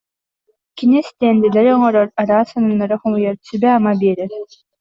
Кини стендэлэри оҥорор, араас сонуннары хомуйар, сүбэ-ама биэрэр